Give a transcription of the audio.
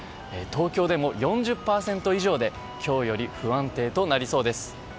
東京でも４０％以上で今日より不安定となりそうです。